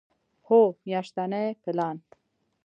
هو، میاشتنی پلان